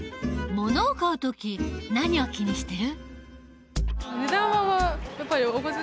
ものを買う時何を気にしてる？